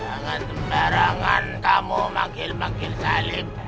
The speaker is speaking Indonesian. jangan sembarangan kamu manggil magil salib